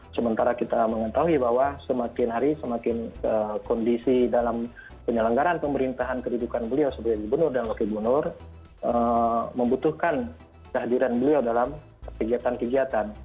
sementara kita mengetahui bahwa semakin hari semakin kondisi dalam penyelenggaran pemerintahan kedudukan beliau sebagai gubernur dan wakil gubernur membutuhkan kehadiran beliau dalam kegiatan kegiatan